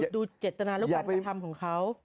ดูเจ็ดตนาระกับการกระทำของเขา